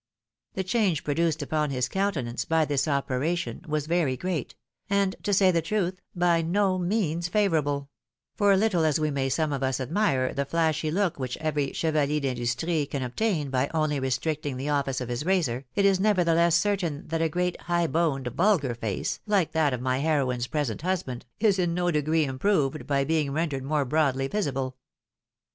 The change produced upon his countenance by this operation was very great — and to A METAMORPHOSIS, 63 say the truth, by no means favourable ; for little as we may some of us admire the flashy look which every chevalier d'indus trie can obtain by only restricting the ofiBce of his razor, it is nevertheless certain that a great, high boned, vulgar face, hke that of my heroine's present husband, is in no degree improved by being rendered more broadly visible.